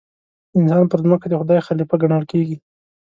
انسان پر ځمکه د خدای خلیفه ګڼل کېږي.